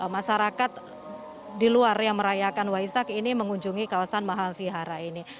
masyarakat di luar yang merayakan waisak ini mengunjungi kawasan mahavihara ini